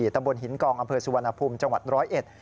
ตำบลหินกองอำเภอสุวรรณภูมิจังหวัดร้อยเอ็ด